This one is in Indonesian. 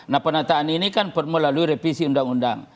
nah penataan ini kan melalui revisi undang undang